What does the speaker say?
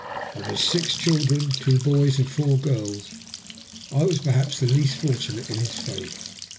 Of his six children — two boys and four girls — I was perhaps the least fortunate in bis favour.